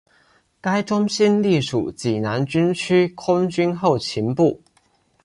该中心隶属济南军区空军后勤部。